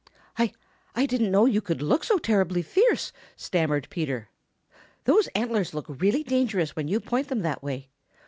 "I I didn't know you could look so terribly fierce," stammered Peter. "Those antlers look really dangerous when you point them that way.